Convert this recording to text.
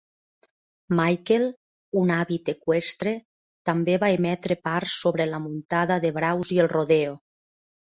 Michael, un àvid eqüestre, també va emetre parts sobre la muntada de braus i el rodeo.